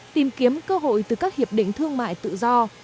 tìm kiếm cơ hội từ các hiệp định thương mại tự do